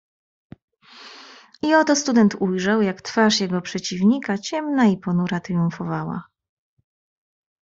"I oto student ujrzał, jak twarz jego przeciwnika ciemna i ponura tryumfowała."